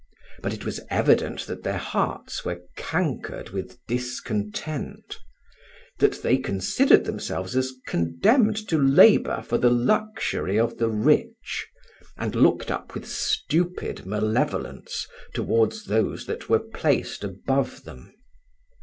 But it was evident that their hearts were cankered with discontent; that they considered themselves as condemned to labour for the luxury of the rich, and looked up with stupid malevolence towards those that were placed above them.